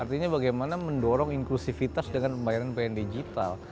artinya bagaimana mendorong inklusivitas dengan pembayaranaga yang digital